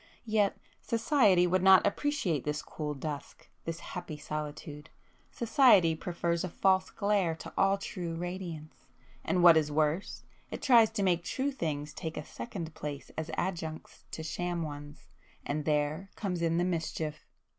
—Yet 'society' would not appreciate this cool dusk, this happy solitude;—'society' prefers a false glare to all true radiance. And what is worse it tries to make true things take a second place as adjuncts to sham ones,—and there comes in the mischief."